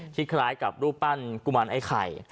คล้ายกับรูปปั้นกุมารไอ้ไข่